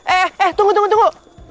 eh eh tunggu tunggu tunggu tunggu